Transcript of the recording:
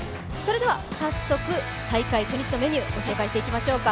早速、大会初日のメニュー、ご紹介していきましょうか。